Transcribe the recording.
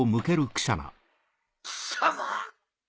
貴様！